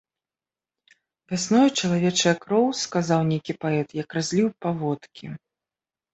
Вясною чалавечая кроў, сказаў нейкі паэт, як разліў паводкі.